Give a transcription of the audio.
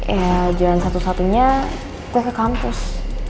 ya jalan satu satunya udah ke kampus